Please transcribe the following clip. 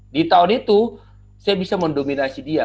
di tahun itu saya bisa mendominasi dia